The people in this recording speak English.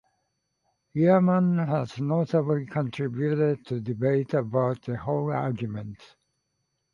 Earman has notably contributed to debate about the "hole argument".